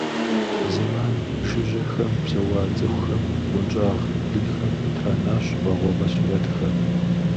Зэман жыжьэхэм псэуа цӏыхухэм бгъуэнщӏагъ блынхэм къытранащ вагъуэбэ сурэтхэр.